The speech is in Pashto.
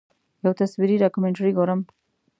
یو تصویري ډاکومنټري ګورم.